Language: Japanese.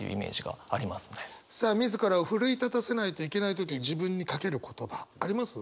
さあ自らを奮い立たせないといけない時自分にかける言葉あります？